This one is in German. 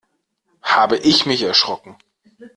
Habe ich mich erschrocken!